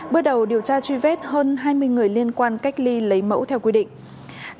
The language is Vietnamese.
bước đầu điều tra truy vết hơn hai mươi người liên quan cách ly lấy mẫu theo quy định